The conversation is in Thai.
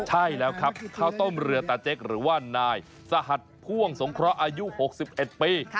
ใช่แล้วครับข้าวต้มเรือตาเจ๊กหรือว่านายสหัสพ่วงสงเคราะห์อายุ๖๑ปี